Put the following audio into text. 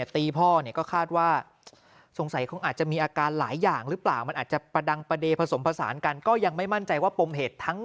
ตีพ่อก็คาดว่า